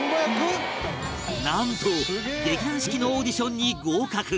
なんと劇団四季のオーディションに合格